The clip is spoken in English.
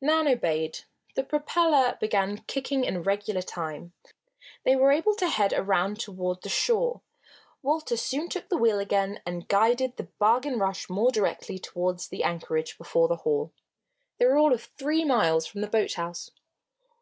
Nan obeyed. The propeller began kicking in regular time. They were able to head around toward the shore. Walter soon took the wheel again and guided the Bargain Rush more directly toward the anchorage before the Hall. They were all of three miles from the boathouse.